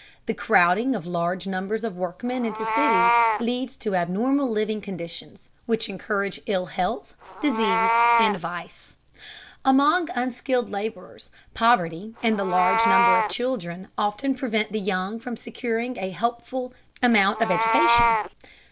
The crowding of large numbers of workmen into cities leads to abnormal living conditions, which encourage ill health, disease, and vice. Among unskilled laborers, poverty and the large number of children often prevent the young from securing a helpful amount of education.